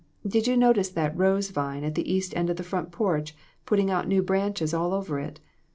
Did you notice that rose vine at the east end of the front porch putting out new branches all over it?